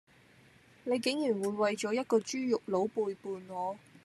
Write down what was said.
你竟然會為咗一個豬肉佬背叛我